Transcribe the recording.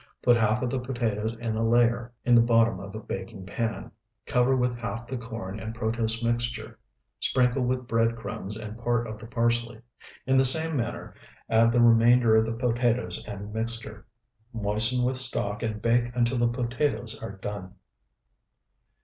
Put half of the potatoes in a layer in the bottom of a baking pan, cover with half the corn and protose mixture, sprinkle with bread crumbs and part of the parsley. In the same manner add the remainder of the potatoes and mixture. Moisten with stock and bake until the potatoes are done.